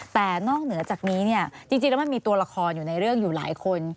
แต่นอกเหนือจากนี้เนี่ยจริงแล้วมันมีตัวละครอยู่ในเรื่องอยู่หลายคน